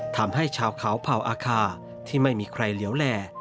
ทำให้ชาวเขาเผ่าอาคาที่ไม่มีใครเหลวแหล่